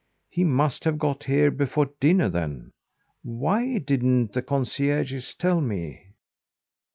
He must have got here before dinner, then. Why didn't the concierges tell me?"